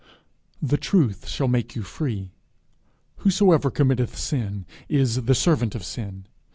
_The Truth shall make you free.... Whosoever committeth sin, is the servant of sin.